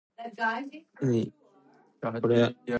The club won just three matches, all against Central Districts.